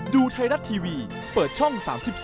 ไลนัททีวีเปิดช่อง๓๒